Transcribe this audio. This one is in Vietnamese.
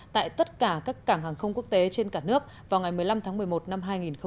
tại tất cả các cảng hàng không quốc tế trên cả nước vào ngày một mươi năm tháng một mươi một năm hai nghìn hai mươi